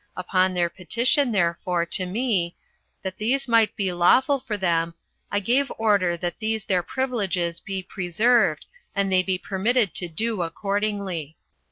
Upon their petition therefore to me, that these might be lawful for them, I gave order that these their privileges be preserved, and they be permitted to do accordingly."